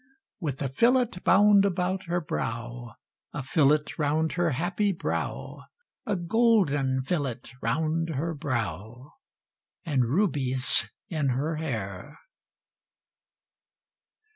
With a fillet bound about her brow, A fillet round her happy brow, A golden fillet round her brow, And rubies in her hair.